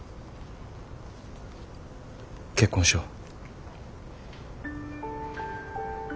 結婚しよう。